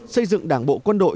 xây dựng đảng bộ quân đội